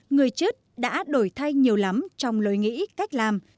người chết đã đổi thay nhiều lắm trong lời nghĩ cách làm